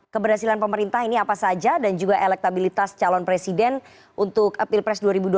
keberhasilan pemerintah ini apa saja dan juga elektabilitas calon presiden untuk pilpres dua ribu dua puluh